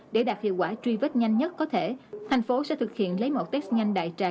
để đạt hiệu quả truy vết nhanh nhất có thể thành phố sẽ thực hiện lấy một test nhanh đại trà